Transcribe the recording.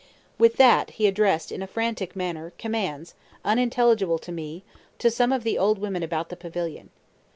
With that, he addressed, in a frantic manner, commands, unintelligible to me, to some of the old women about the pavilion.